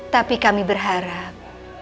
tapi kami berharap